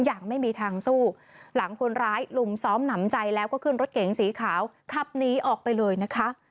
อย่างไม่มีทางสู้หลังคนร้ายลุมซ้อมหนำใจแล้วก็ขึ้นรถเก๋งสีขาวขับหนีออกไปเลยนะคะ